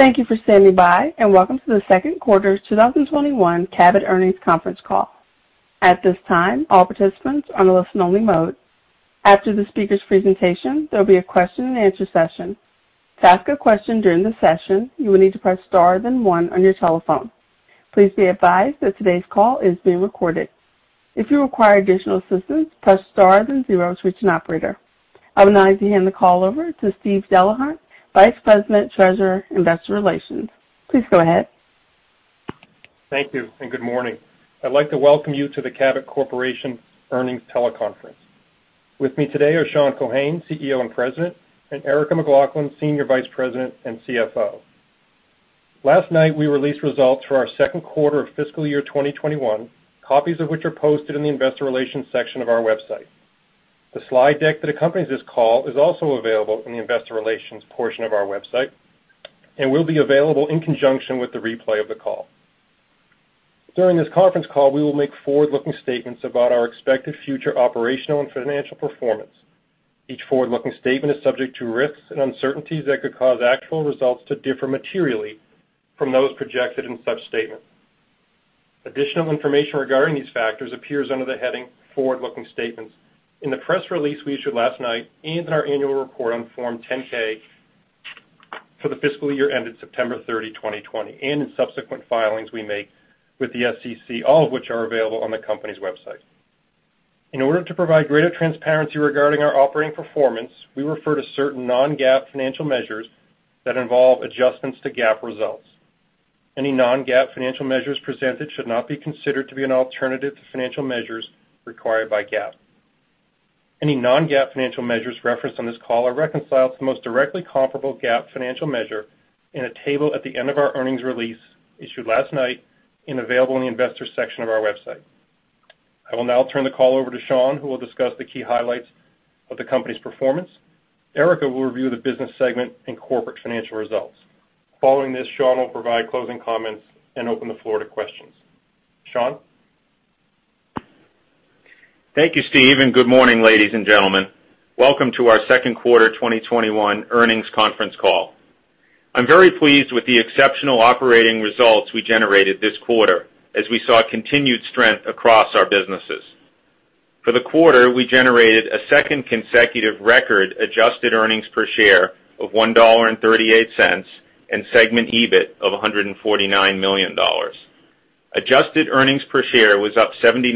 Thank you for standing by, and welcome to the second quarter 2021 Cabot earnings conference call. At this time, all participants are on a listen-only mode. After the speaker's presentation, there'll be a question-and-answer session. To ask a question during the session, you will need to press star then one on your telephone. Please be advised that today's call is being recorded. If you require additional assistance, press star then zero to reach an operator. I would now like to hand the call over to Steve Delahunt, Vice President, Treasurer, Investor Relations. Please go ahead. Thank you, and good morning. I'd like to welcome you to the Cabot Corporation Earnings Teleconference. With me today are Sean Keohane, CEO and President, and Erica McLaughlin, Senior Vice President and CFO. Last night, we released results for our second quarter of fiscal year 2021, copies of which are posted in the investor relations section of our website. The slide deck that accompanies this call is also available in the investor relations portion of our website and will be available in conjunction with the replay of the call. During this conference call, we will make forward-looking statements about our expected future operational and financial performance. Each forward-looking statement is subject to risks and uncertainties that could cause actual results to differ materially from those projected in such statements. Additional information regarding these factors appears under the heading "forward-looking statements" in the press release we issued last night and in our annual report on Form 10-K for the fiscal year ended September 30, 2020, and in subsequent filings we make with the SEC, all of which are available on the company's website. In order to provide greater transparency regarding our operating performance, we refer to certain non-GAAP financial measures that involve adjustments to GAAP results. Any non-GAAP financial measures presented should not be considered to be an alternative to financial measures required by GAAP. Any non-GAAP financial measures referenced on this call are reconciled to the most directly comparable GAAP financial measure in a table at the end of our earnings release issued last night and available in the investor section of our website. I will now turn the call over to Sean, who will discuss the key highlights of the company's performance. Erica will review the business segment and corporate financial results. Following this, Sean will provide closing comments and open the floor to questions. Sean? Thank you, Steve. Good morning, ladies and gentlemen. Welcome to our second quarter 2021 earnings conference call. I'm very pleased with the exceptional operating results we generated this quarter as we saw continued strength across our businesses. For the quarter, we generated a second consecutive record adjusted earnings per share of $1.38 and segment EBIT of $149 million. Adjusted earnings per share was up 79%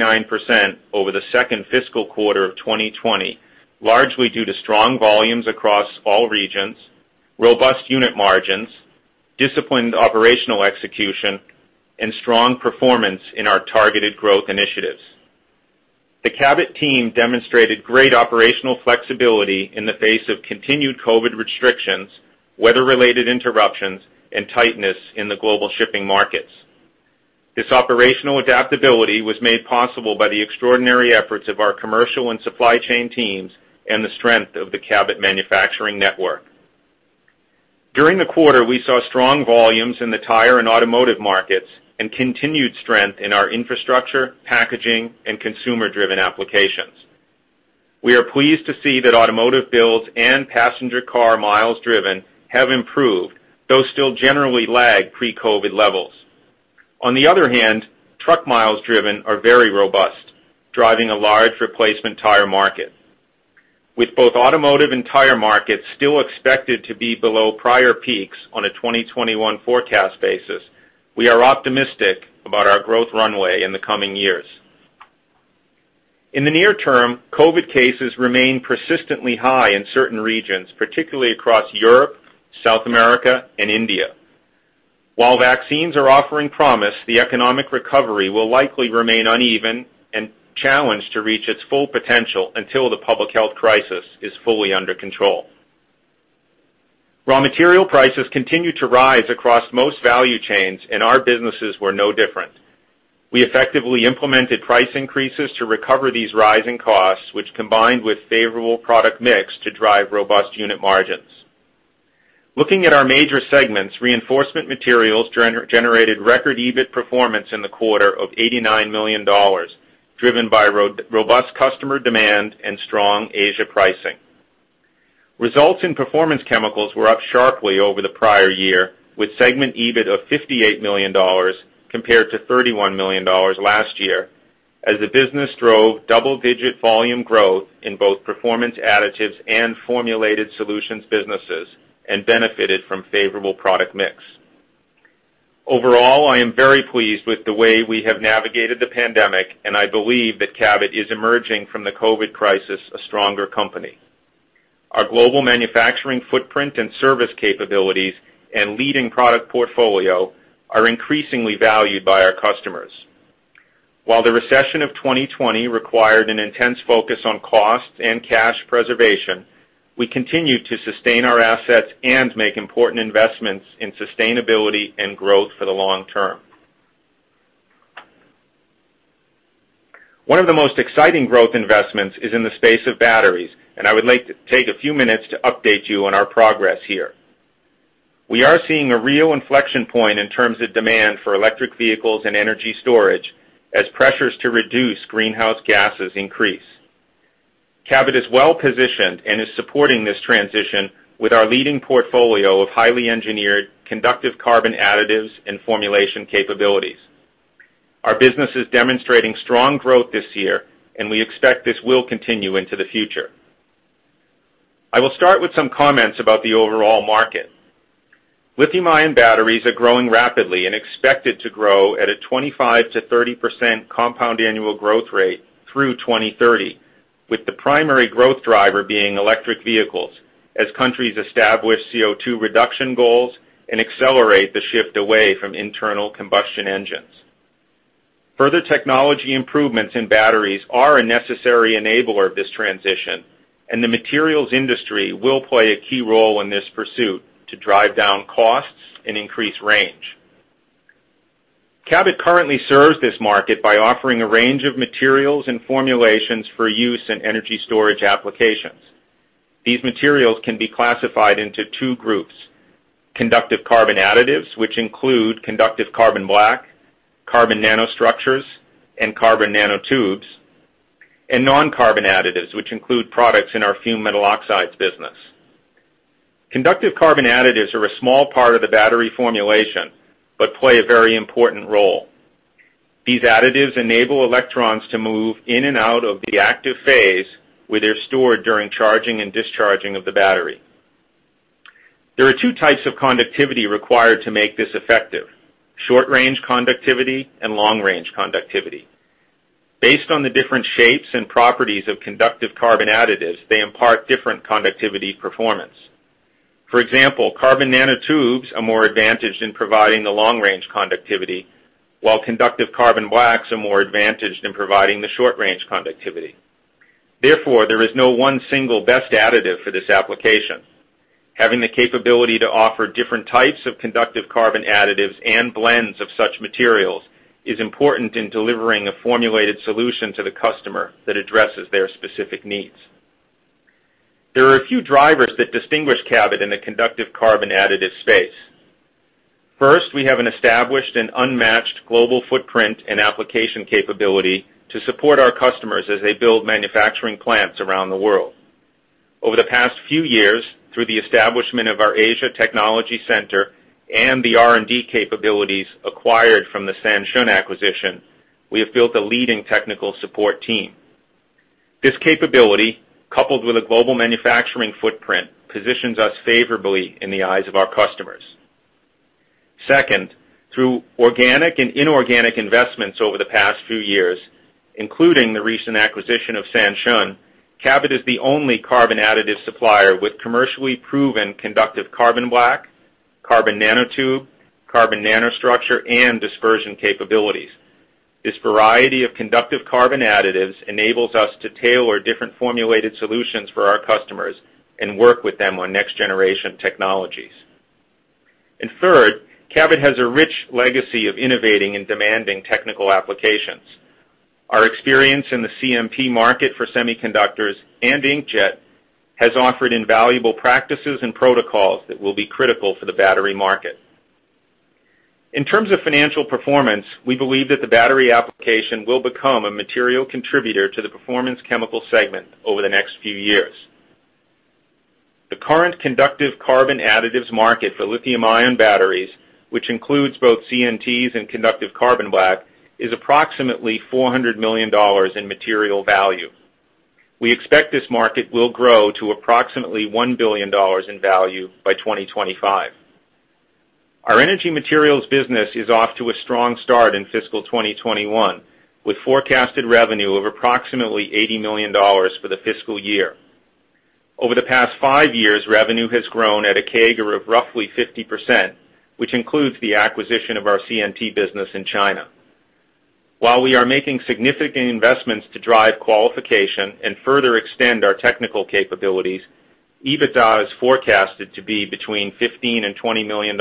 over the second fiscal quarter of 2020, largely due to strong volumes across all regions, robust unit margins, disciplined operational execution, and strong performance in our targeted growth initiatives. The Cabot team demonstrated great operational flexibility in the face of continued COVID restrictions, weather-related interruptions, and tightness in the global shipping markets. This operational adaptability was made possible by the extraordinary efforts of our commercial and supply chain teams and the strength of the Cabot manufacturing network. During the quarter, we saw strong volumes in the tire and automotive markets and continued strength in our infrastructure, packaging, and consumer-driven applications. We are pleased to see that automotive builds and passenger car miles driven have improved, though still generally lag pre-COVID levels. On the other hand, truck miles driven are very robust, driving a large replacement tire market. With both automotive and tire markets still expected to be below prior peaks on a 2021 forecast basis, we are optimistic about our growth runway in the coming years. In the near term, COVID cases remain persistently high in certain regions, particularly across Europe, South America, and India. While vaccines are offering promise, the economic recovery will likely remain uneven and challenged to reach its full potential until the public health crisis is fully under control. Raw material prices continued to rise across most value chains. Our businesses were no different. We effectively implemented price increases to recover these rising costs, which combined with favorable product mix to drive robust unit margins. Looking at our major segments, Reinforcement Materials generated record EBIT performance in the quarter of $89 million, driven by robust customer demand and strong Asia pricing. Results in Performance Chemicals were up sharply over the prior year, with segment EBIT of $58 million compared to $31 million last year as the business drove double-digit volume growth in both Performance Additives and Formulated Solutions businesses and benefited from favorable product mix. Overall, I am very pleased with the way we have navigated the pandemic, and I believe that Cabot is emerging from the COVID crisis a stronger company. Our global manufacturing footprint and service capabilities and leading product portfolio are increasingly valued by our customers. While the recession of 2020 required an intense focus on cost and cash preservation, we continued to sustain our assets and make important investments in sustainability and growth for the long term. One of the most exciting growth investments is in the space of batteries, and I would like to take a few minutes to update you on our progress here. We are seeing a real inflection point in terms of demand for electric vehicles and energy storage as pressures to reduce greenhouse gases increase. Cabot is well-positioned and is supporting this transition with our leading portfolio of highly engineered conductive carbon additives and formulation capabilities. Our business is demonstrating strong growth this year, and we expect this will continue into the future. I will start with some comments about the overall market. Lithium-ion batteries are growing rapidly and expected to grow at a 25%-30% compound annual growth rate through 2030, with the primary growth driver being electric vehicles as countries establish CO2 reduction goals and accelerate the shift away from internal combustion engines. Further technology improvements in batteries are a necessary enabler of this transition, and the materials industry will play a key role in this pursuit to drive down costs and increase range. Cabot currently serves this market by offering a range of materials and formulations for use in energy storage applications. These materials can be classified into two groups: conductive carbon additives, which include conductive carbon black, carbon nanostructures, and carbon nanotubes, and non-carbon additives, which include products in our fumed metal oxides business. Conductive carbon additives are a small part of the battery formulation but play a very important role. These additives enable electrons to move in and out of the active phase where they're stored during charging and discharging of the battery. There are two types of conductivity required to make this effective, short-range conductivity and long-range conductivity. Based on the different shapes and properties of conductive carbon additives, they impart different conductivity performance. For example, carbon nanotubes are more advantaged in providing the long-range conductivity, while conductive carbon blacks are more advantaged in providing the short-range conductivity. Therefore, there is no one single best additive for this application. Having the capability to offer different types of conductive carbon additives and blends of such materials is important in delivering a formulated solution to the customer that addresses their specific needs. There are a few drivers that distinguish Cabot in the conductive carbon additive space. First, we have an established and unmatched global footprint and application capability to support our customers as they build manufacturing plants around the world. Over the past few years, through the establishment of our Asia Technology Center and the R&D capabilities acquired from the Sanshun acquisition, we have built a leading technical support team. This capability, coupled with a global manufacturing footprint, positions us favorably in the eyes of our customers. Second, through organic and inorganic investments over the past few years, including the recent acquisition of Sanshun, Cabot is the only carbon additive supplier with commercially proven conductive carbon black, carbon nanotube, carbon nanostructure, and dispersion capabilities. This variety of conductive carbon additives enables us to tailor different formulated solutions for our customers and work with them on next-generation technologies. Third, Cabot has a rich legacy of innovating in demanding technical applications. Our experience in the CMP market for semiconductors and inkjet has offered invaluable practices and protocols that will be critical for the battery market. In terms of financial performance, we believe that the battery application will become a material contributor to the Performance Chemicals segment over the next five years. The current conductive carbon additives market for lithium-ion batteries, which includes both CNTs and conductive carbon black, is approximately $400 million in material value. We expect this market will grow to approximately $1 billion in value by 2025. Our energy materials business is off to a strong start in fiscal 2021, with forecasted revenue of approximately $80 million for the fiscal year. Over the past five years, revenue has grown at a CAGR of roughly 50%, which includes the acquisition of our CNT business in China. While we are making significant investments to drive qualification and further extend our technical capabilities, EBITDA is forecasted to be between $15 million and $20 million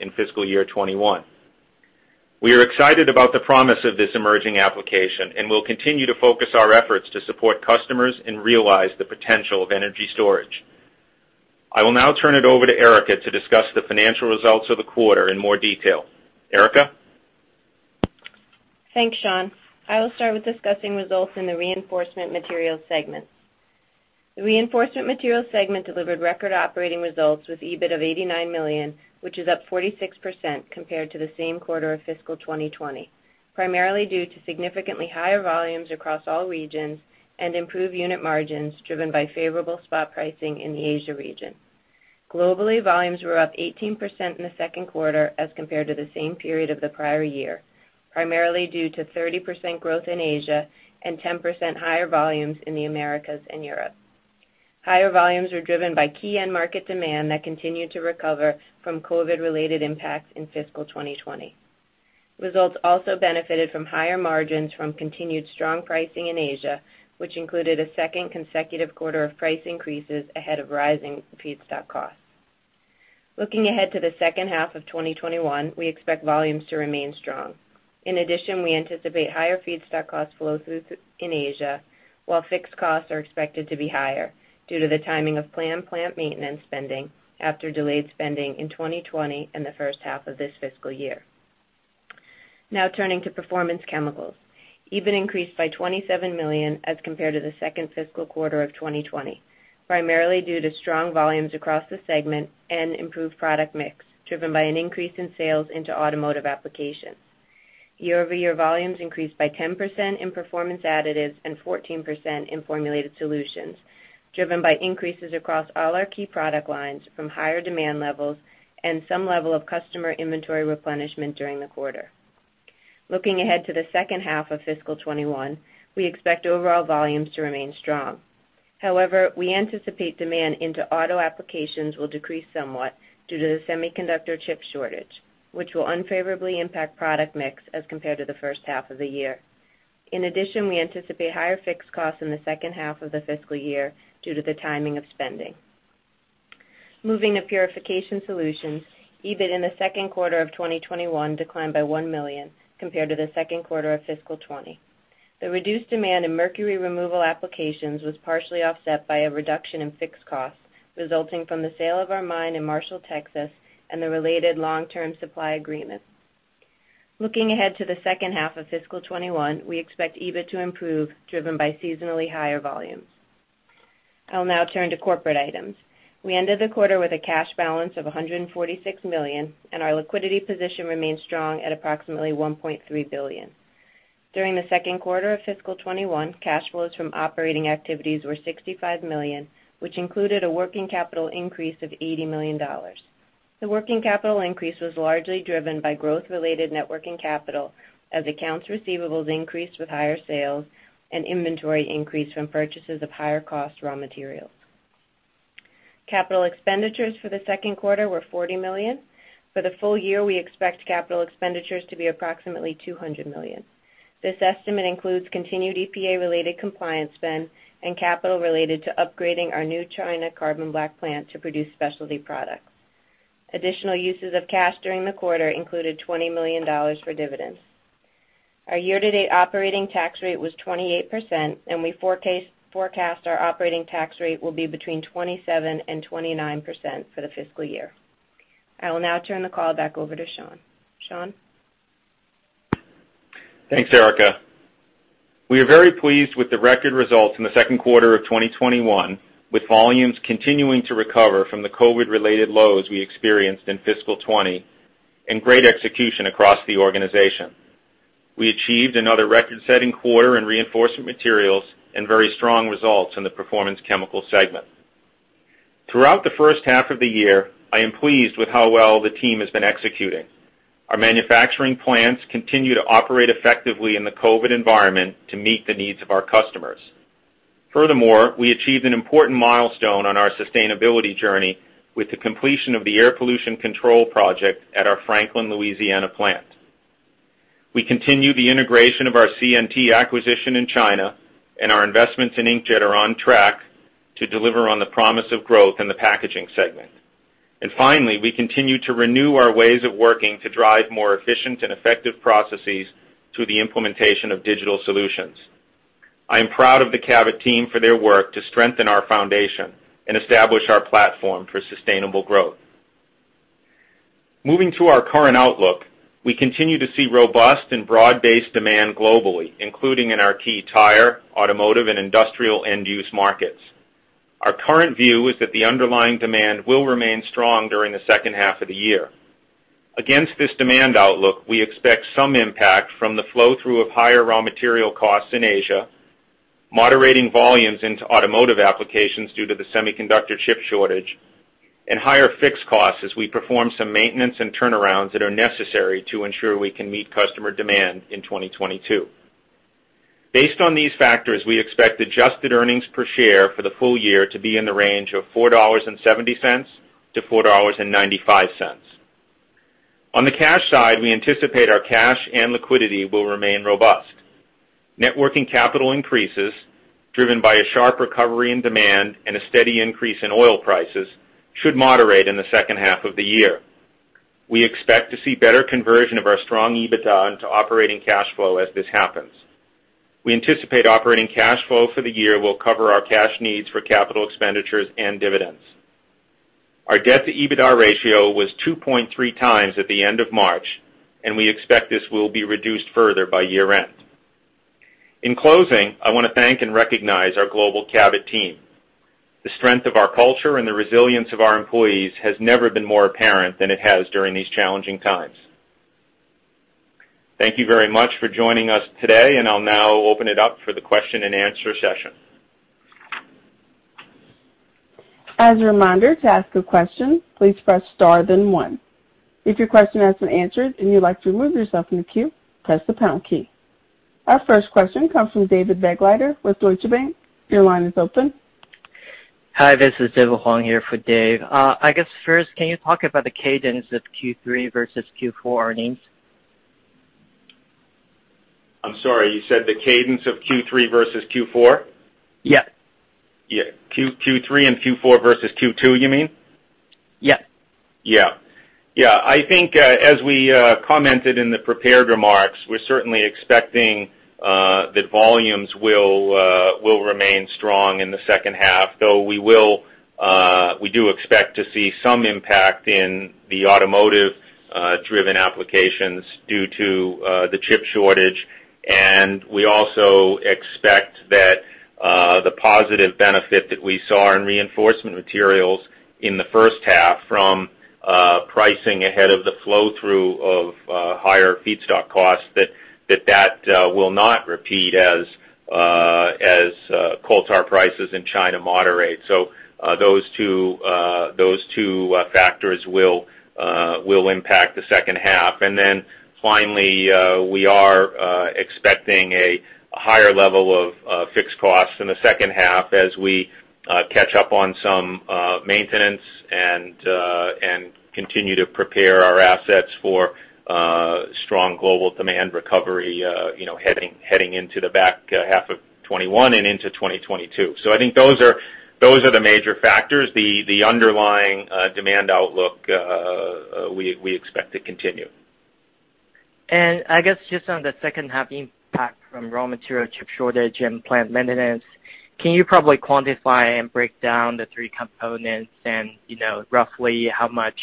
in fiscal year 2021. We are excited about the promise of this emerging application and will continue to focus our efforts to support customers and realize the potential of energy storage. I will now turn it over to Erica to discuss the financial results of the quarter in more detail. Erica? Thanks, Sean. I will start with discussing results in the Reinforcement Materials segment. The Reinforcement Materials segment delivered record operating results with EBIT of $89 million, which is up 46% compared to the same quarter of fiscal 2020, primarily due to significantly higher volumes across all regions and improved unit margins driven by favorable spot pricing in the Asia region. Globally, volumes were up 18% in the second quarter as compared to the same period of the prior year, primarily due to 30% growth in Asia and 10% higher volumes in the Americas and Europe. Higher volumes were driven by key end market demand that continued to recover from COVID-related impacts in fiscal 2020. Results also benefited from higher margins from continued strong pricing in Asia, which included a second consecutive quarter of price increases ahead of rising feedstock costs. Looking ahead to the second half of 2021, we expect volumes to remain strong. In addition, we anticipate higher feedstock cost flow-through in Asia, while fixed costs are expected to be higher due to the timing of planned plant maintenance spending after delayed spending in 2020 and the first half of this fiscal year. Turning to Performance Chemicals. EBIT increased by $27 million as compared to the second fiscal quarter of 2020, primarily due to strong volumes across the segment and improved product mix, driven by an increase in sales into automotive applications. Year-over-year volumes increased by 10% in Performance Additives and 14% in Formulated Solutions, driven by increases across all our key product lines from higher demand levels and some level of customer inventory replenishment during the quarter. Looking ahead to the second half of fiscal 2021, we expect overall volumes to remain strong. However, we anticipate demand into auto applications will decrease somewhat due to the semiconductor chip shortage, which will unfavorably impact product mix as compared to the first half of the year. In addition, we anticipate higher fixed costs in the second half of the fiscal year due to the timing of spending. Moving to Purification Solutions, EBIT in the second quarter of 2021 declined by $1 million compared to the second quarter of fiscal 2020. The reduced demand in mercury removal applications was partially offset by a reduction in fixed costs resulting from the sale of our mine in Marshall, Texas, and the related long-term supply agreement. Looking ahead to the second half of fiscal 2021, we expect EBIT to improve, driven by seasonally higher volumes. I'll now turn to corporate items. We ended the quarter with a cash balance of $146 million, and our liquidity position remains strong at approximately $1.3 billion. During the second quarter of fiscal 2021, cash flows from operating activities were $65 million, which included a working capital increase of $80 million. The working capital increase was largely driven by growth-related net working capital, as accounts receivables increased with higher sales and inventory increased from purchases of higher-cost raw materials. Capital expenditures for the second quarter were $40 million. For the full year, we expect capital expenditures to be approximately $200 million. This estimate includes continued EPA-related compliance spend and capital related to upgrading our new China carbon black plant to produce specialty products. Additional uses of cash during the quarter included $20 million for dividends. Our year-to-date operating tax rate was 28%. We forecast our operating tax rate will be between 27% and 29% for the fiscal year. I will now turn the call back over to Sean. Sean? Thanks, Erica. We are very pleased with the record results in the second quarter of 2021, with volumes continuing to recover from the COVID-related lows we experienced in fiscal 2020 and great execution across the organization. We achieved another record-setting quarter in Reinforcement Materials and very strong results in the Performance Chemicals segment. Throughout the first half of the year, I am pleased with how well the team has been executing. Our manufacturing plants continue to operate effectively in the COVID environment to meet the needs of our customers. Furthermore, we achieved an important milestone on our sustainability journey with the completion of the air pollution control project at our Franklin, Louisiana plant. We continue the integration of our CNT acquisition in China, and our investments in inkjet are on track to deliver on the promise of growth in the packaging segment. Finally, we continue to renew our ways of working to drive more efficient and effective processes through the implementation of digital solutions. I am proud of the Cabot team for their work to strengthen our foundation and establish our platform for sustainable growth. Moving to our current outlook, we continue to see robust and broad-based demand globally, including in our key tire, automotive, and industrial end-use markets. Our current view is that the underlying demand will remain strong during the second half of the year. Against this demand outlook, we expect some impact from the flow-through of higher raw material costs in Asia, moderating volumes into automotive applications due to the semiconductor chip shortage, and higher fixed costs as we perform some maintenance and turnarounds that are necessary to ensure we can meet customer demand in 2022. Based on these factors, we expect adjusted earnings per share for the full year to be in the range of $4.70-$4.95. On the cash side, we anticipate our cash and liquidity will remain robust. Net working capital increases, driven by a sharp recovery in demand and a steady increase in oil prices, should moderate in the second half of the year. We expect to see better conversion of our strong EBITDA into operating cash flow as this happens. We anticipate operating cash flow for the year will cover our cash needs for capital expenditures and dividends. Our debt-to-EBITDA ratio was 2.3 times at the end of March, and we expect this will be reduced further by year-end. In closing, I want to thank and recognize our global Cabot team. The strength of our culture and the resilience of our employees has never been more apparent than it has during these challenging times. Thank you very much for joining us today. I'll now open it up for the question-and-answer session. As a reminder, to ask a question, please press star then one. If your question has been answered and you would like to remove yourself from the queue, press the pound key. Our first question comes from David Begleiter with Deutsche Bank. Your line is open. Hi, this is David Huang here for Dave. I guess first, can you talk about the cadence of Q3 versus Q4 earnings? I'm sorry, you said the cadence of Q3 versus Q4? Yeah. Yeah. Q3 and Q4 versus Q2, you mean? Yeah. I think as we commented in the prepared remarks, we're certainly expecting that volumes will remain strong in the second half, though we do expect to see some impact in the automotive-driven applications due to the chip shortage. We also expect that the positive benefit that we saw in Reinforcement Materials in the first half from pricing ahead of the flow-through of higher feedstock costs, that that will not repeat as coal tar prices in China moderate. Those two factors will impact the second half. Finally, we are expecting a higher level of fixed costs in the second half as we catch up on some maintenance and continue to prepare our assets for strong global demand recovery heading into the back half of 2021 and into 2022. I think those are the major factors. The underlying demand outlook we expect to continue. I guess just on the second half impact from raw material chip shortage and plant maintenance, can you probably quantify and break down the three components and roughly how much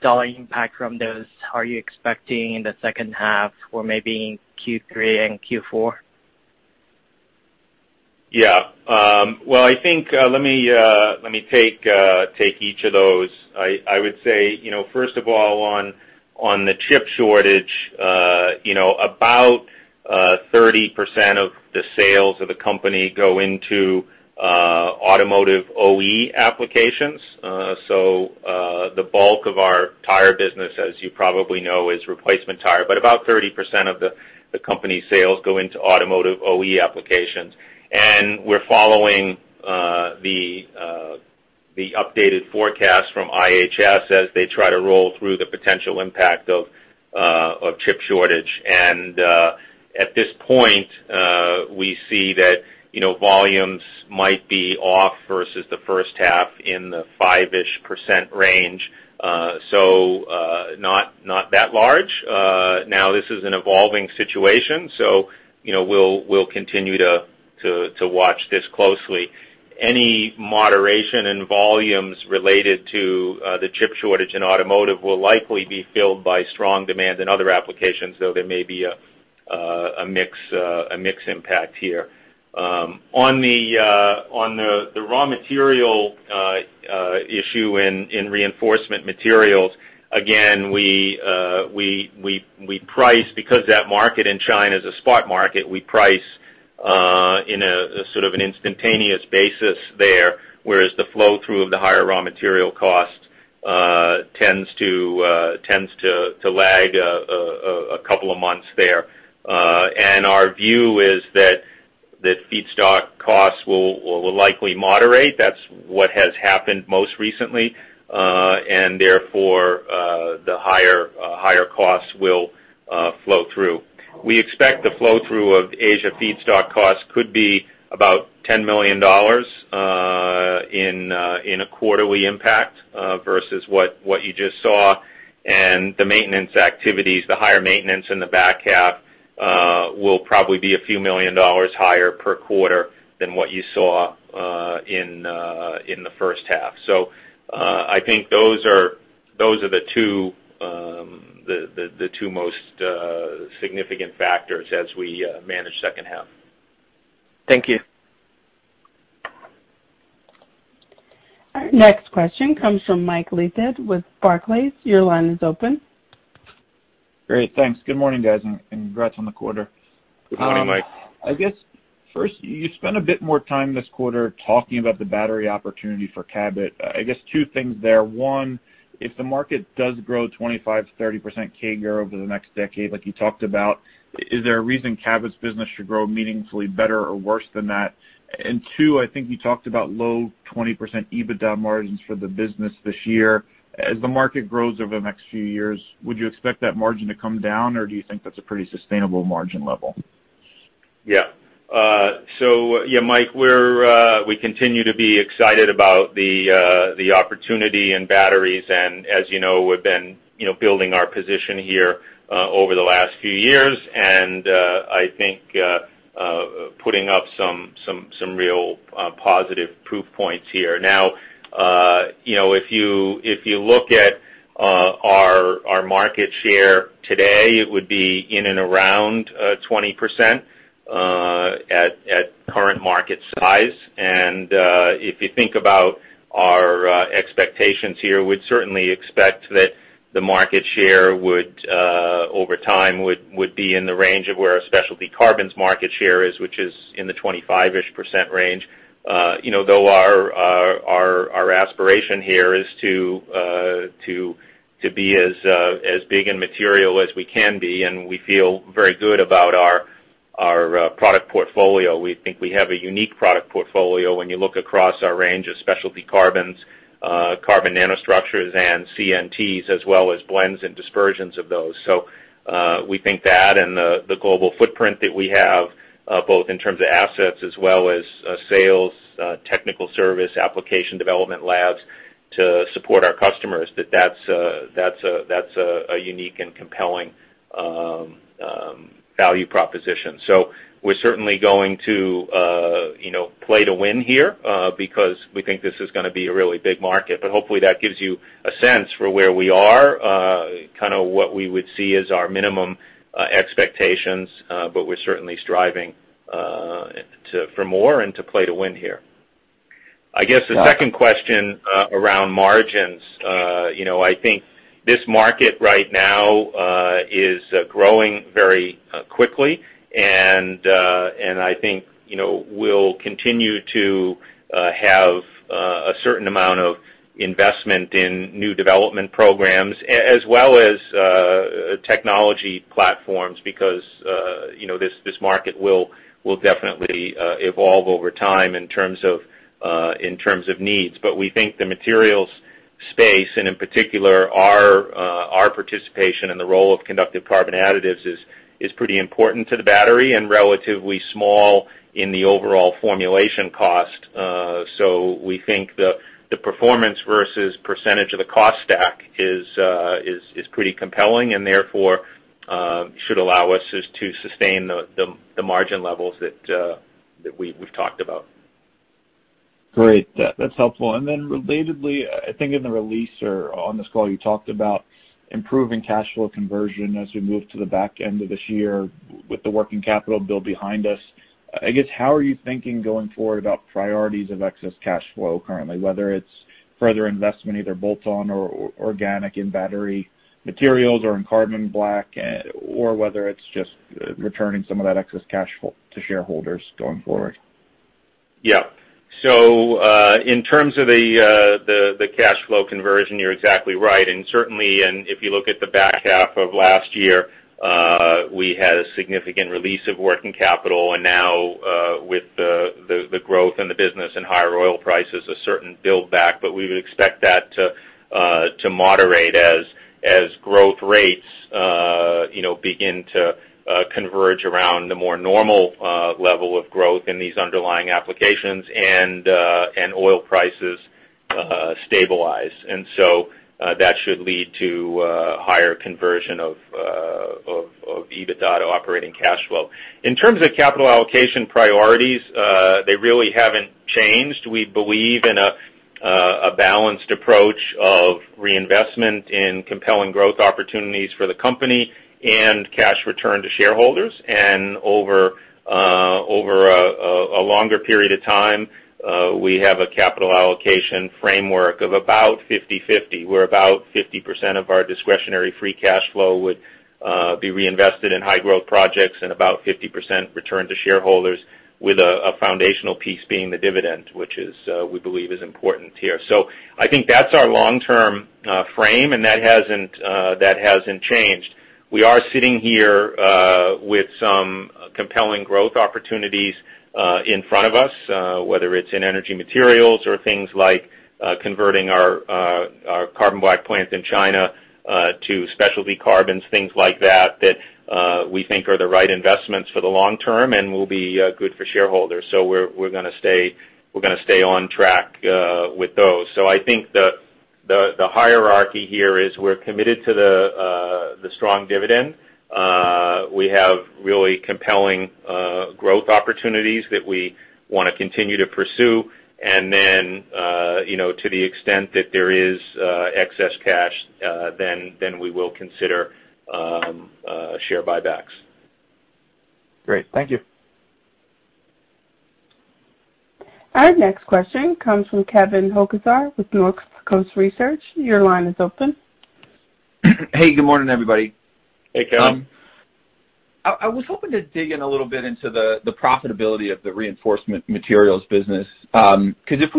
dollar impact from those are you expecting in the second half or maybe in Q3 and Q4? Well, let me take each of those. I would say, first of all on the chip shortage, about 30% of the sales of the company go into automotive OE applications. The bulk of our tire business, as you probably know, is replacement tire. About 30% of the company sales go into automotive OE applications. We're following the updated forecast from IHS as they try to roll through the potential impact of chip shortage. At this point, we see that volumes might be off versus the first half in the five-ish % range. Not that large. Now, this is an evolving situation, so we'll continue to watch this closely. Any moderation in volumes related to the chip shortage in automotive will likely be filled by strong demand in other applications, though there may be a mix impact here. On the raw material issue in Reinforcement Materials, again, because that market in China is a spot market, we price in a sort of an instantaneous basis there, whereas the flow-through of the higher raw material cost tends to lag a couple of months there. Our view is that feedstock costs will likely moderate. That's what has happened most recently. Therefore, the higher costs will flow through. We expect the flow-through of Asia feedstock costs could be about $10 million in a quarterly impact versus what you just saw. The maintenance activities, the higher maintenance in the back half will probably be a few million dollars higher per quarter than what you saw in the first half. I think those are the two most significant factors as we manage second half. Thank you. Our next question comes from Mike Leithead with Barclays. Your line is open. Great. Thanks. Good morning, guys, and congrats on the quarter. Good morning, Mike. I guess first, you spent a bit more time this quarter talking about the battery opportunity for Cabot. I guess two things there. One, if the market does grow 25%-30% CAGR over the next decade like you talked about, is there a reason Cabot's business should grow meaningfully better or worse than that? Two, I think you talked about low 20% EBITDA margins for the business this year. As the market grows over the next few years, would you expect that margin to come down, or do you think that's a pretty sustainable margin level? Yeah. Mike, we continue to be excited about the opportunity in batteries. As you know, we've been building our position here over the last few years. I think putting up some real positive proof points here. Now, if you look at our market share today, it would be in and around 20% at current market size. If you think about our expectations here, we'd certainly expect that the market share over time would be in the range of where our specialty carbons market share is, which is in the 25-ish% range. Though our aspiration here is to be as big and material as we can be. We feel very good about our product portfolio. We think we have a unique product portfolio when you look across our range of specialty carbons, carbon nanostructures, and CNTs, as well as blends and dispersions of those. We think that and the global footprint that we have both in terms of assets as well as sales, technical service, application development labs to support our customers, that's a unique and compelling value proposition. We're certainly going to play to win here because we think this is going to be a really big market. Hopefully, that gives you a sense for where we are, what we would see as our minimum expectations, but we're certainly striving for more and to play to win here. I guess the second question around margins. I think this market right now is growing very quickly, and I think we'll continue to have a certain amount of investment in new development programs, as well as technology platforms, because this market will definitely evolve over time in terms of needs. We think the materials space, and in particular, our participation in the role of conductive carbon additives, is pretty important to the battery and relatively small in the overall formulation cost. We think the performance versus % of the cost stack is pretty compelling, and therefore, should allow us to sustain the margin levels that we've talked about. Great. That is helpful. Relatedly, I think in the release or on this call, you talked about improving cash flow conversion as we move to the back end of this year with the working capital bill behind us. I guess, how are you thinking going forward about priorities of excess cash flow currently, whether it is further investment, either bolt-on or organic in battery materials or in carbon black, or whether it is just returning some of that excess cash flow to shareholders going forward? Yeah. In terms of the cash flow conversion, you're exactly right. Certainly, if you look at the back half of last year, we had a significant release of working capital. Now with the growth in the business and higher oil prices, a certain build back. We would expect that to moderate as growth rates begin to converge around the more normal level of growth in these underlying applications and oil prices stabilize. That should lead to higher conversion of EBITDA to operating cash flow. In terms of capital allocation priorities, they really haven't changed. We believe in a balanced approach of reinvestment in compelling growth opportunities for the company and cash return to shareholders. Over a longer period of time, we have a capital allocation framework of about 50/50, where about 50% of our discretionary free cash flow would be reinvested in high growth projects and about 50% return to shareholders with a foundational piece being the dividend, which we believe is important here. I think that's our long-term frame, and that hasn't changed. We are sitting here with some compelling growth opportunities in front of us, whether it's in energy materials or things like converting our carbon black plant in China to specialty carbons, things like that we think are the right investments for the long term and will be good for shareholders. We're going to stay on track with those. I think the hierarchy here is we're committed to the strong dividend. We have really compelling growth opportunities that we want to continue to pursue. To the extent that there is excess cash, then we will consider share buybacks. Great. Thank you. Our next question comes from Kevin Hocevar with Northcoast Research. Your line is open. Hey, good morning, everybody. Hey, Kevin. I was hoping to dig in a little bit into the profitability of the Reinforcement Materials business. If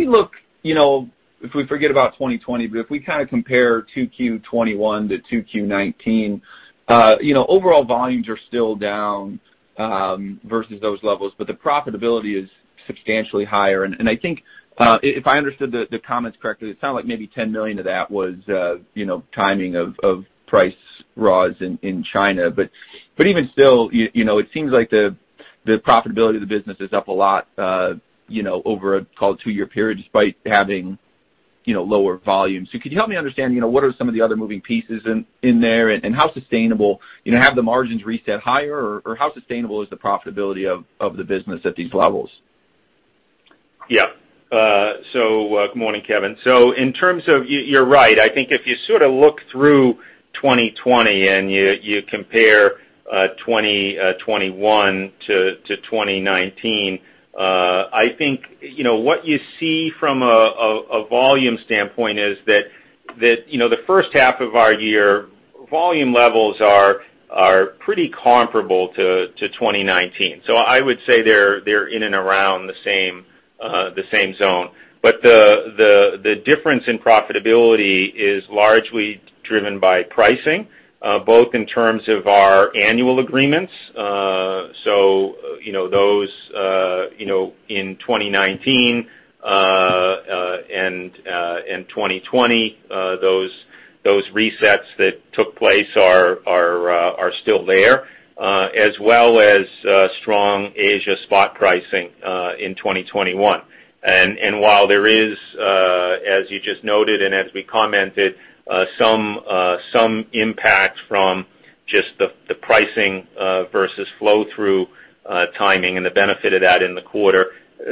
we forget about 2020, but if we kind of compare 2Q 2021 to 2Q 2019, overall volumes are still down versus those levels, but the profitability is substantially higher. I think if I understood the comments correctly, it sounded like maybe $10 million of that was timing of price raws in China. Even still, it seems like the profitability of the business is up a lot over a two-year period, despite having lower volumes. Could you help me understand what are some of the other moving pieces in there, and how sustainable, have the margins reset higher, or how sustainable is the profitability of the business at these levels? Yeah. Good morning, Kevin. You're right. I think if you sort of look through 2020 and you compare 2021 to 2019, I think what you see from a volume standpoint is that the first half of our year, volume levels are pretty comparable to 2019. I would say they're in and around the same zone. The difference in profitability is largely driven by pricing both in terms of our annual agreements. Those in 2019 and 2020, those resets that took place are still there, as well as strong Asia spot pricing in 2021. While there is, as you just noted and as we commented, some impact from just the pricing versus flow-through timing and the benefit of that in the quarter,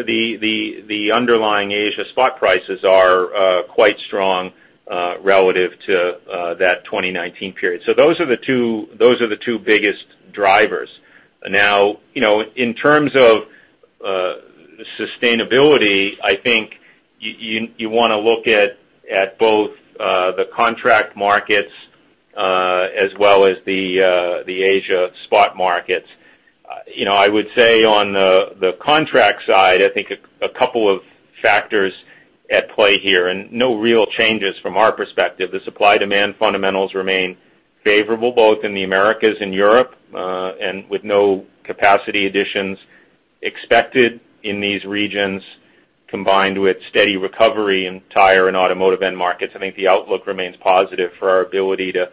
the underlying Asia spot prices are quite strong relative to that 2019 period. Those are the two biggest drivers. In terms of sustainability, I think you want to look at both the contract markets as well as the Asia spot markets. I would say on the contract side, I think a couple of factors at play here, no real changes from our perspective. The supply-demand fundamentals remain favorable both in the Americas and Europe, with no capacity additions expected in these regions, combined with steady recovery in tire and automotive end markets. I think the outlook remains positive for our ability to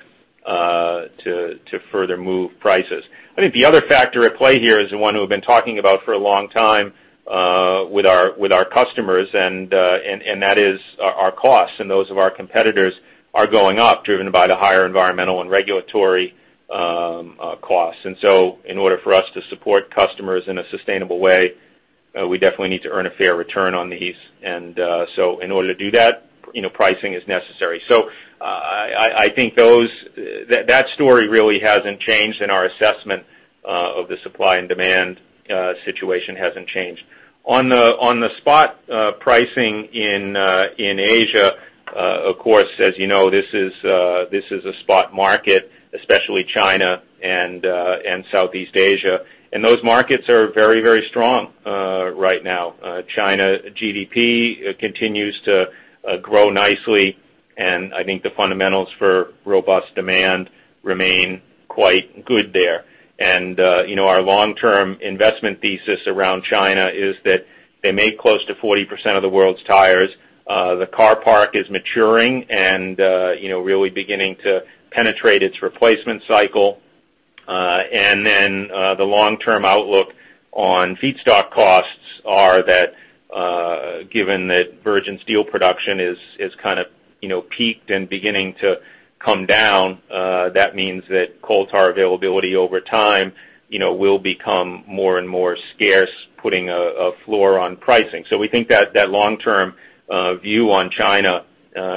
further move prices. I think the other factor at play here is the one we've been talking about for a long time with our customers, that is our costs and those of our competitors are going up, driven by the higher environmental and regulatory costs. In order for us to support customers in a sustainable way, we definitely need to earn a fair return on these. In order to do that, pricing is necessary. I think that story really hasn't changed and our assessment of the supply and demand situation hasn't changed. On the spot pricing in Asia, of course, as you know, this is a spot market, especially China and Southeast Asia. Those markets are very strong right now. China GDP continues to grow nicely, and I think the fundamentals for robust demand remain quite good there. Our long-term investment thesis around China is that they make close to 40% of the world's tires. The car parc is maturing and really beginning to penetrate its replacement cycle. The long-term outlook on feedstock costs is that given that virgin steel production is kind of peaked and beginning to come down, that means that coal tar availability over time will become more and more scarce, putting a floor on pricing. We think that that long-term view on China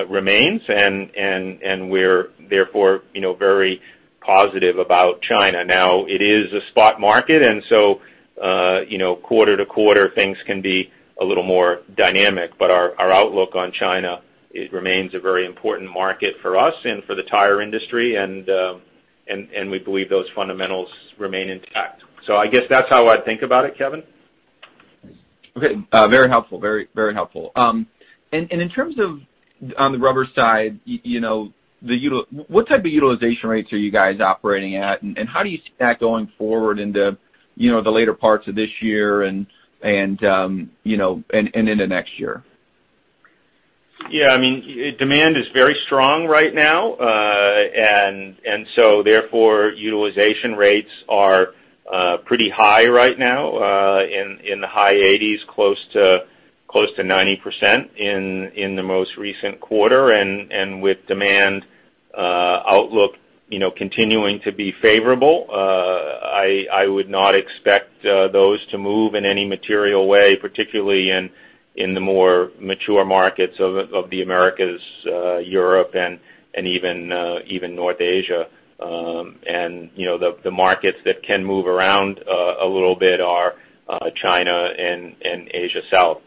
remains, and we're therefore very positive about China. Now it is a spot market, quarter to quarter, things can be a little more dynamic. Our outlook on China, it remains a very important market for us and for the tire industry, and we believe those fundamentals remain intact. I guess that's how I'd think about it, Kevin. Okay. Very helpful. In terms of on the rubber side, what type of utilization rates are you guys operating at, and how do you see that going forward into the later parts of this year and into next year? Yeah. Demand is very strong right now. Utilization rates are pretty high right now, in the high 80s, close to 90% in the most recent quarter. With demand outlook continuing to be favorable, I would not expect those to move in any material way, particularly in the more mature markets of the Americas, Europe, and even North Asia. The markets that can move around a little bit are China and Asia South.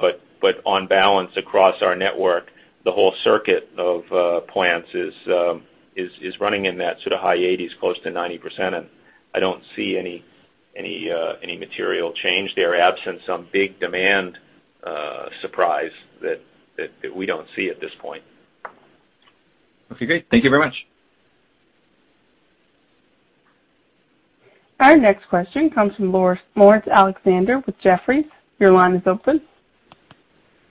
On balance, across our network, the whole circuit of plants is running in that sort of high 80s, close to 90%, and I don't see any material change there absent some big demand surprise that we don't see at this point. Okay, great. Thank you very much. Our next question comes from Laurence Alexander with Jefferies. Your line is open.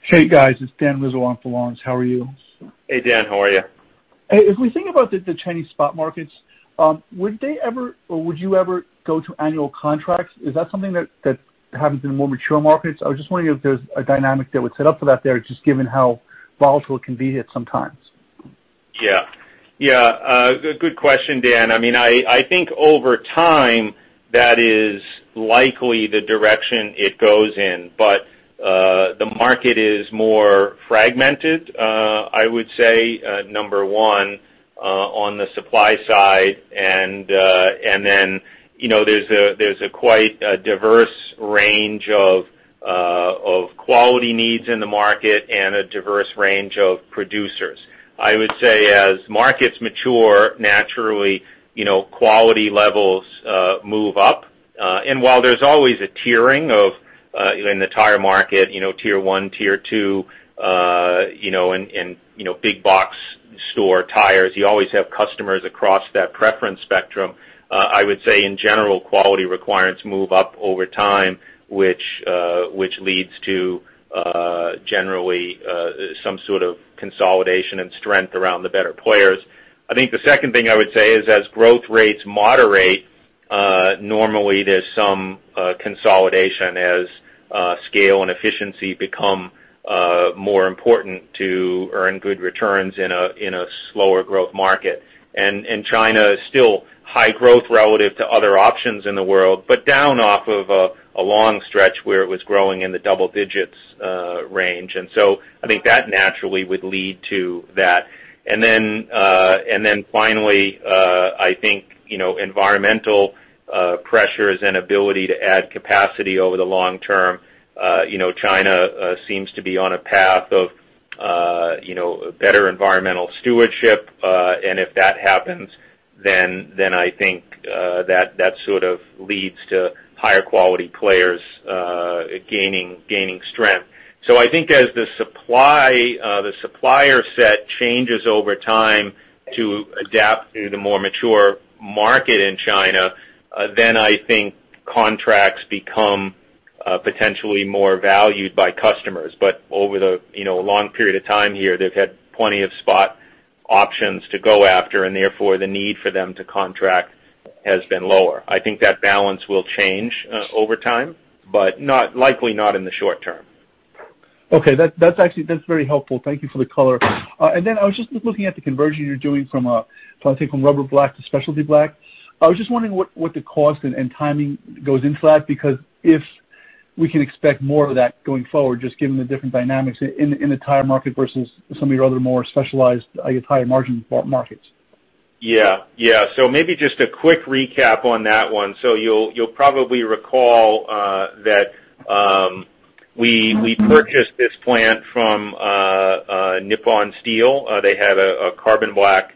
Hey, guys. It's Dan Rizzo on for Laurence. How are you? Hey, Dan. How are you? Hey, if we think about the Chinese spot markets, would they ever or would you ever go to annual contracts? Is that something that happens in more mature markets? I was just wondering if there's a dynamic that would set up for that there, just given how volatile it can be here sometimes. Yeah. A good question, Dan. I think over time, that is likely the direction it goes in. The market is more fragmented, I would say, number one, on the supply side, and then there's a quite diverse range of quality needs in the market and a diverse range of producers. I would say as markets mature naturally, quality levels move up. While there's always a tiering in the tire market, tier 1, tier 2, and big box store tires, you always have customers across that preference spectrum. I would say in general, quality requirements move up over time, which leads to generally some sort of consolidation and strength around the better players. I think the second thing I would say is as growth rates moderate, normally there's some consolidation as scale and efficiency become more important to earn good returns in a slower growth market. China is still high growth relative to other options in the world, but down off of a long stretch where it was growing in the double-digits range. I think that naturally would lead to that. Finally, I think, environmental pressures and ability to add capacity over the long term. China seems to be on a path of better environmental stewardship. If that happens, then I think that sort of leads to higher quality players gaining strength. I think as the supplier set changes over time to adapt to the more mature market in China, then I think contracts become potentially more valued by customers. Over the long period of time here, they've had plenty of spot options to go after, and therefore the need for them to contract has been lower. I think that balance will change over time, but likely not in the short term. Okay. That's very helpful. Thank you for the color. I was just looking at the conversion you're doing from, I think, from rubber black to specialty black. I was just wondering what the cost and timing goes into that, because if we can expect more of that going forward, just given the different dynamics in the tire market versus some of your other, more specialized, higher margin markets. Yeah. Maybe just a quick recap on that one. You'll probably recall that we purchased this plant from Nippon Steel. They had a carbon black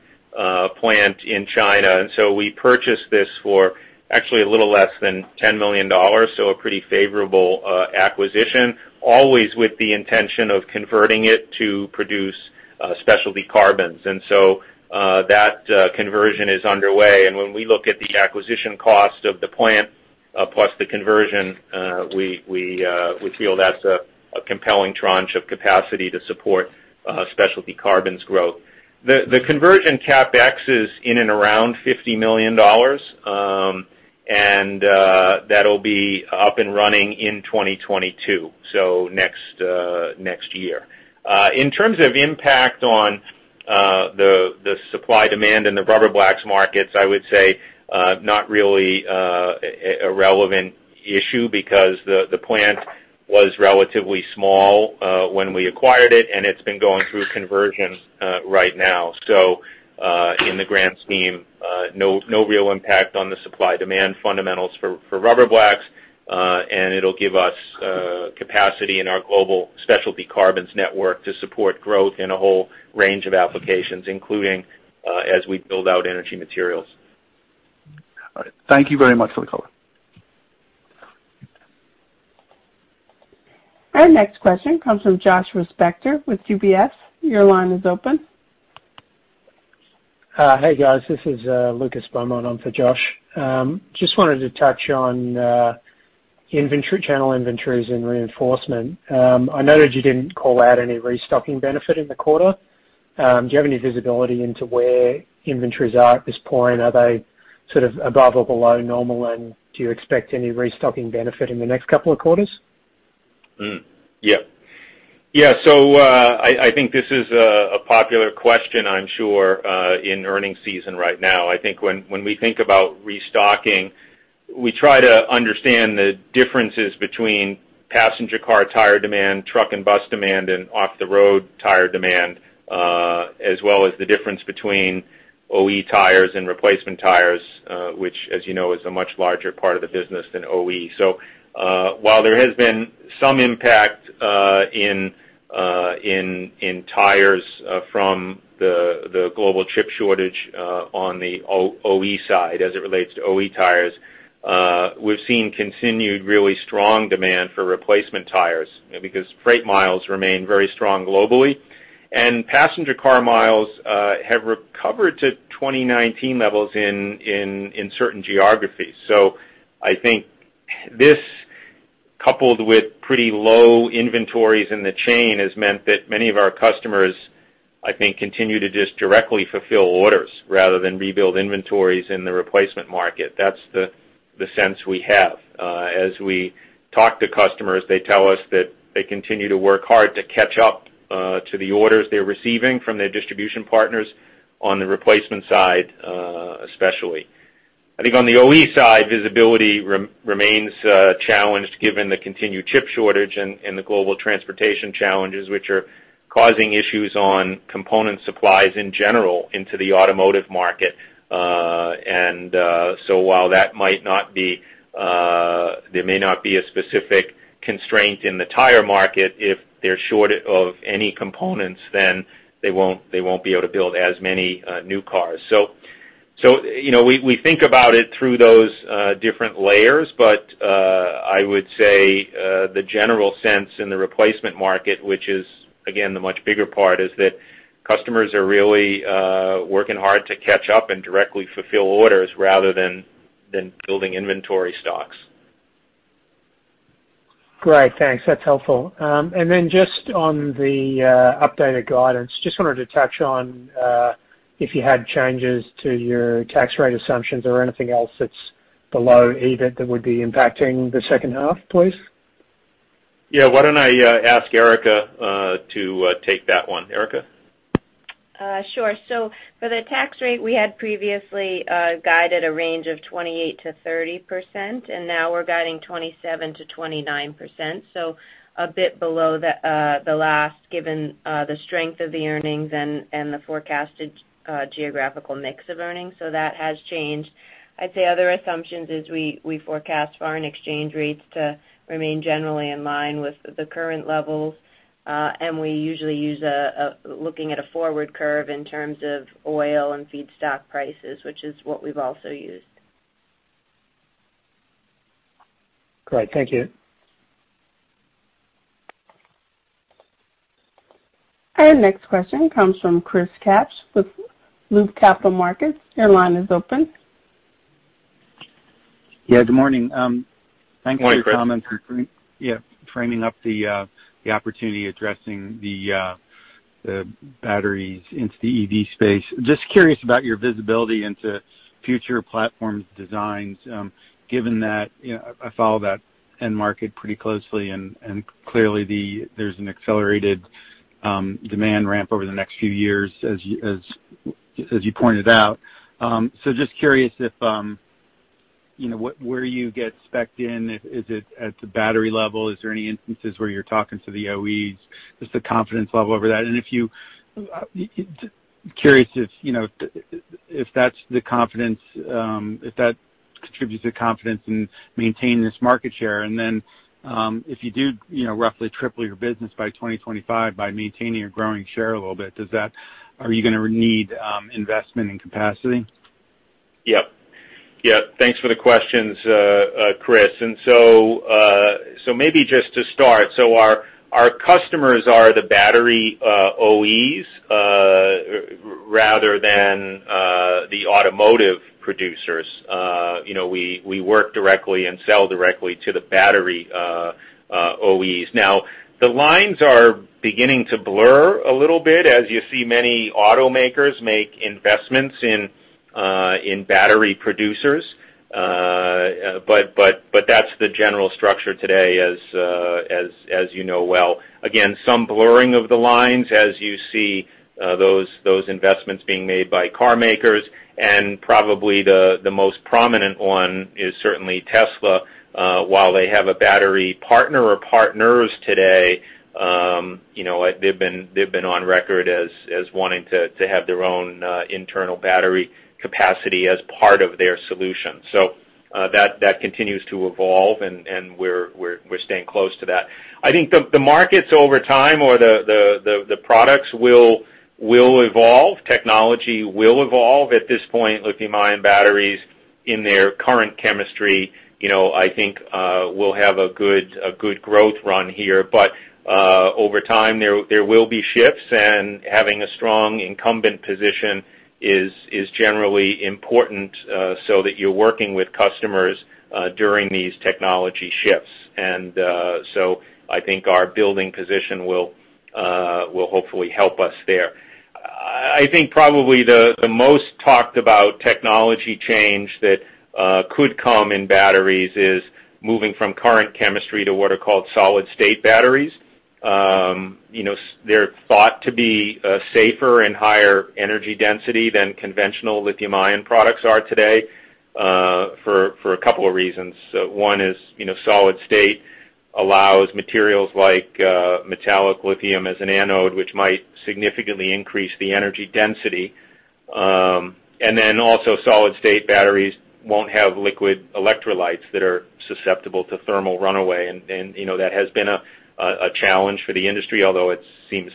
plant in China, we purchased this for actually a little less than $10 million. A pretty favorable acquisition, always with the intention of converting it to produce specialty carbons. That conversion is underway. When we look at the acquisition cost of the plant plus the conversion, we feel that's a compelling tranche of capacity to support specialty carbons growth. The conversion CapEx is in and around $50 million, that'll be up and running in 2022, next year. In terms of impact on the supply-demand in the rubber blacks markets, I would say not really a relevant issue because the plant was relatively small when we acquired it's been going through conversion right now. In the grand scheme, no real impact on the supply-demand fundamentals for rubber blacks. It'll give us capacity in our global specialty carbons network to support growth in a whole range of applications, including as we build out energy materials. All right. Thank you very much for the color. Our next question comes from Josh Spector with UBS. Your line is open. Hey, guys, this is Lucas Beaumont on for Josh. Wanted to touch on channel inventories and Reinforcement. I noted you didn't call out any restocking benefit in the quarter. Do you have any visibility into where inventories are at this point? Are they sort of above or below normal, and do you expect any restocking benefit in the next couple of quarters? I think this is a popular question, I'm sure, in earnings season right now. I think when we think about restocking, we try to understand the differences between passenger car tire demand, truck and bus demand, and off the road tire demand, as well as the difference between OE tires and replacement tires, which as you know, is a much larger part of the business than OE. While there has been some impact in tires from the global chip shortage on the OE side as it relates to OE tires, we've seen continued really strong demand for replacement tires because freight miles remain very strong globally, and passenger car miles have recovered to 2019 levels in certain geographies. I think this, coupled with pretty low inventories in the chain, has meant that many of our customers, I think, continue to just directly fulfill orders rather than rebuild inventories in the replacement market. That's the sense we have. As we talk to customers, they tell us that they continue to work hard to catch up to the orders they're receiving from their distribution partners on the replacement side, especially. I think on the OE side, visibility remains challenged given the continued chip shortage and the global transportation challenges, which are causing issues on component supplies in general into the automotive market. While there may not be a specific constraint in the tire market, if they're short of any components, then they won't be able to build as many new cars. We think about it through those different layers. I would say the general sense in the replacement market, which is again, the much bigger part, is that customers are really working hard to catch up and directly fulfill orders rather than building inventory stocks. Great. Thanks. That's helpful. Then just on the updated guidance, just wanted to touch on if you had changes to your tax rate assumptions or anything else that's below EBIT that would be impacting the second half, please. Yeah. Why don't I ask Erica to take that one? Erica? Sure. For the tax rate, we had previously guided a range of 28%-30%, and now we're guiding 27%-29%. A bit below the last, given the strength of the earnings and the forecasted geographical mix of earnings. That has changed. I'd say other assumptions is we forecast foreign exchange rates to remain generally in line with the current levels. We usually use looking at a forward curve in terms of oil and feedstock prices, which is what we've also used. Great. Thank you. Our next question comes from Chris Kapsch with Loop Capital Markets. Your line is open. Yeah, good morning. Morning, Chris. Thanks for your comments and framing up the opportunity addressing the batteries into the EV space. Just curious about your visibility into future platforms designs, given that I follow that end market pretty closely, and clearly there's an accelerated demand ramp over the next few years, as you pointed out. Just curious where you get specced in. Is it at the battery level? Is there any instances where you're talking to the OEs? Just the confidence level over that. Curious if that contributes to confidence in maintaining this market share. If you do roughly triple your business by 2025 by maintaining or growing share a little bit, are you going to need investment in capacity? Yep. Thanks for the questions, Chris. Maybe just to start, our customers are the battery OEs, rather than the automotive producers. We work directly and sell directly to the battery OEs. Now the lines are beginning to blur a little bit as you see many automakers make investments in battery producers. That's the general structure today, as you know well. Again, some blurring of the lines as you see those investments being made by car makers, and probably the most prominent one is certainly Tesla. While they have a battery partner or partners today, they've been on record as wanting to have their own internal battery capacity as part of their solution. That continues to evolve, and we're staying close to that. I think the markets over time, or the products will evolve. Technology will evolve. At this point, lithium-ion batteries in their current chemistry, I think will have a good growth run here. Over time, there will be shifts, and having a strong incumbent position is generally important so that you're working with customers during these technology shifts. I think our building position will hopefully help us there. I think probably the most talked about technology change that could come in batteries is moving from current chemistry to what are called solid-state batteries. They're thought to be safer and higher energy density than conventional lithium-ion products are today for a couple of reasons. One is solid-state allows materials like metallic lithium as an anode, which might significantly increase the energy density. Also, solid-state batteries won't have liquid electrolytes that are susceptible to thermal runaway, and that has been a challenge for the industry, although it seems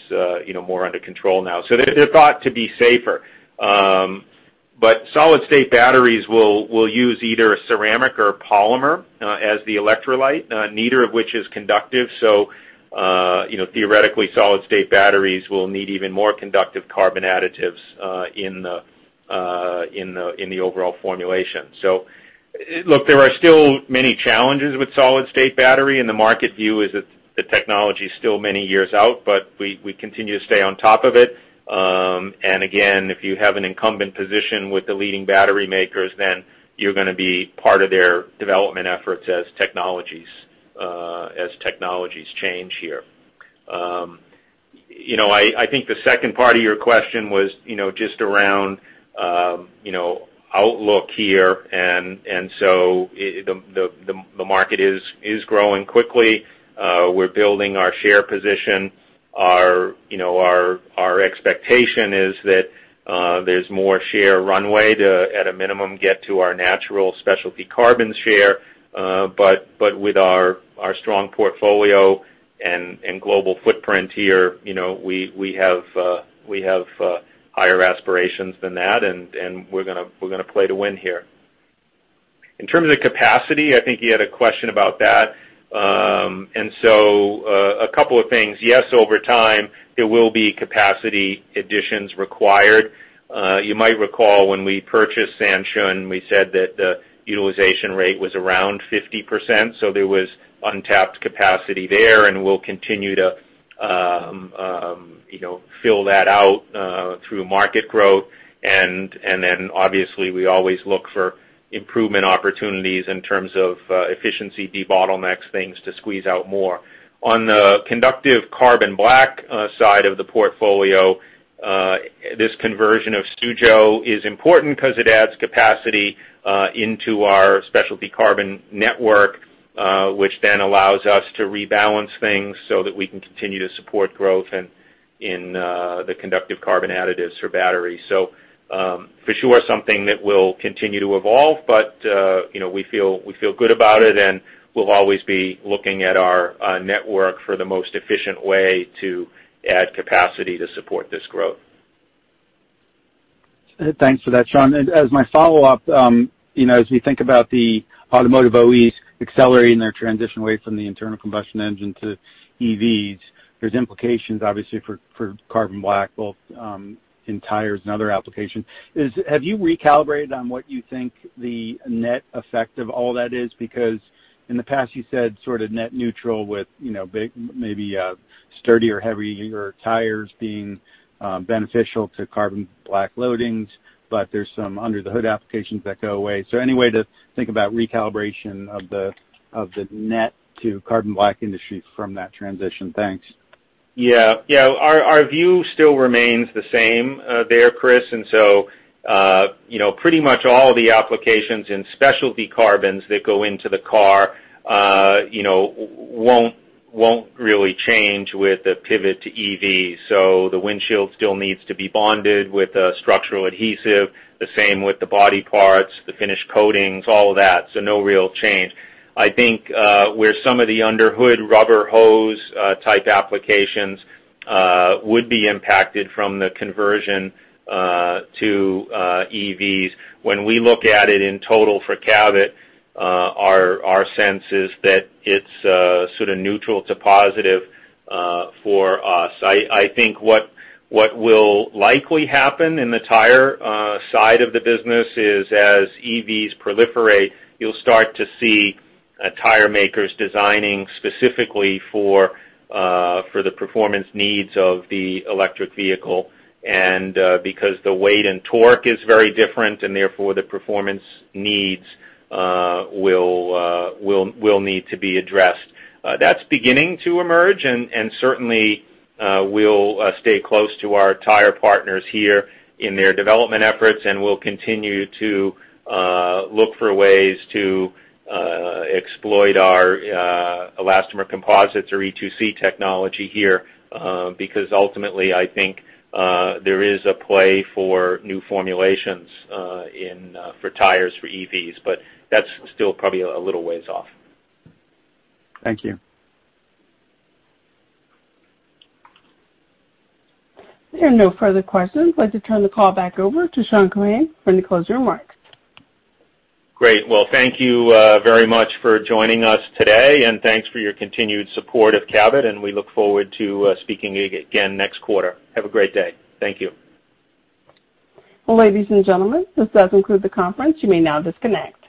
more under control now. They're thought to be safer. Solid-state batteries will use either a ceramic or a polymer as the electrolyte, neither of which is conductive. Theoretically, solid-state batteries will need even more conductive carbon additives in the overall formulation. Look, there are still many challenges with solid-state battery, and the market view is that the technology is still many years out, but we continue to stay on top of it. Again, if you have an incumbent position with the leading battery makers, you're going to be part of their development efforts as technologies change here. I think the second part of your question was just around outlook here. The market is growing quickly. We're building our share position. Our expectation is that there's more share runway to, at a minimum, get to our natural specialty carbon share. With our strong portfolio and global footprint here, we have higher aspirations than that, and we're going to play to win here. In terms of capacity, I think you had a question about that. A couple of things. Yes, over time, there will be capacity additions required. You might recall when we purchased Sanshun, we said that the utilization rate was around 50%, so there was untapped capacity there, and we'll continue to fill that out through market growth. Obviously, we always look for improvement opportunities in terms of efficiency, de-bottlenecks, things to squeeze out more. On the conductive carbon black side of the portfolio, this conversion of Xuzhou is important because it adds capacity into our specialty carbon network, which then allows us to rebalance things so that we can continue to support growth in the conductive carbon additives for batteries. For sure, something that will continue to evolve, but we feel good about it, and we'll always be looking at our network for the most efficient way to add capacity to support this growth. Thanks for that, Sean. As my follow-up, as we think about the automotive OEs accelerating their transition away from the internal combustion engine to EVs, there's implications, obviously, for carbon black, both in tires and other applications. Have you recalibrated on what you think the net effect of all that is? In the past, you said sort of net neutral with maybe sturdier, heavier tires being beneficial to carbon black loadings, but there's some under-the-hood applications that go away. Any way to think about recalibration of the net to carbon black industry from that transition? Thanks. Yeah. Our view still remains the same there, Chris. Pretty much all the applications in specialty carbons that go into the car won't really change with the pivot to EV. The windshield still needs to be bonded with a structural adhesive, the same with the body parts, the finished coatings, all of that. No real change. I think where some of the under hood rubber hose type applications would be impacted from the conversion to EVs. When we look at it in total for Cabot, our sense is that it's sort of neutral to positive for us. I think what will likely happen in the tire side of the business is as EVs proliferate, you'll start to see tire makers designing specifically for the performance needs of the electric vehicle. Because the weight and torque is very different, therefore the performance needs will need to be addressed. That's beginning to emerge, certainly we'll stay close to our tire partners here in their development efforts, we'll continue to look for ways to exploit our elastomer composites or E2C technology here, because ultimately, I think there is a play for new formulations for tires for EVs. That's still probably a little ways off. Thank you. There are no further questions. I'd like to turn the call back over to Sean Keohane for any closing remarks. Great. Well, thank you very much for joining us today, and thanks for your continued support of Cabot, and we look forward to speaking again next quarter. Have a great day. Thank you. Ladies and gentlemen, this does conclude the conference. You may now disconnect.